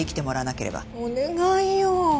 お願いよ。